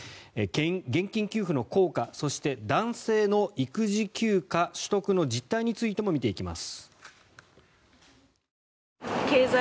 現金給付の効果そして、男性の育児休暇取得の実態についても見ていきます。